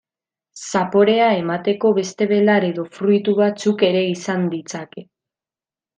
Zaporea emateko beste belar edo fruitu batzuk ere izan ditzake.